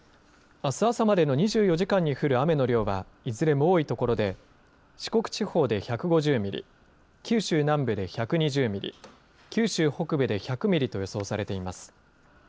あす朝までの２４時間に降る雨の量は、いずれも多い所で、四国地方で１５０ミリ、九州南部で１２０ミリ、九州北部で１００ミリと予想されています。